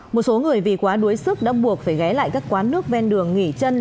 một số người vì quá đuối sức đã buộc phải ghé lại các quán nước ven đường nghỉ chân